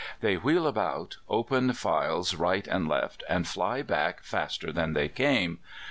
They wheel about, open files right and left, and fly back faster than they came.